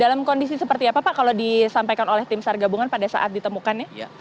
dalam kondisi seperti apa pak kalau disampaikan oleh tim sargabungan pada saat ditemukannya